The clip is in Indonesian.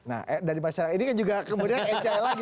nah dari masyarakat ini kan juga kemudian nc lagi